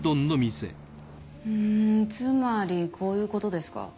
うんつまりこういうことですか？